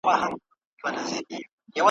په لومړۍ ونه کي بند یې سول ښکرونه ,